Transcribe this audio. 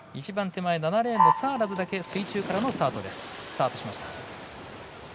７レーンのサーラズだけ水中からのスタートです。